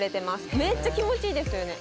めっちゃ気持ちいいですよね。